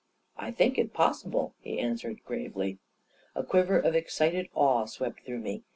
" I think it possible/ 9 he answered gravely. A quiver of excited awe swept through me.